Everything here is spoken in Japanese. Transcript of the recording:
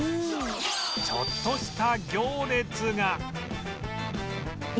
ちょっとした行列が